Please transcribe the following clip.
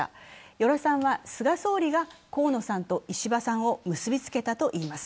与良さんは、菅総理が河野さんと石破さんを結びつけたと言います。